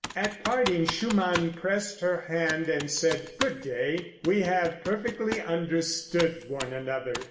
At parting Schumann pressed her hand and said, "Good day, we have perfectly understood one another."